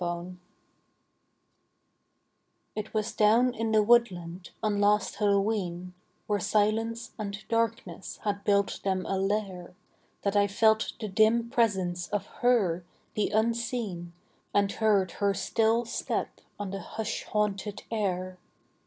HALLOWE'EN It was down in the woodland on last Hallowe'en, Where silence and darkness had built them a lair, That I felt the dim presence of her, the unseen, And heard her still step on the hush haunted air.